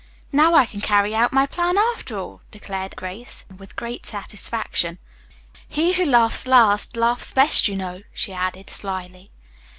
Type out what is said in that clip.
"Now I can carry out my plan, after all," declared Grace, with great satisfaction. "'He who laughs last, laughs best,' you know," she added slyly.